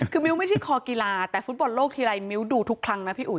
คือมิ้วไม่ใช่คอกีฬาแต่ฟุตบอลโลกทีไรมิ้วดูทุกครั้งนะพี่อุ๋